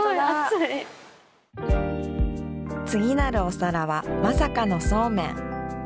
次なるお皿はまさかのそうめん。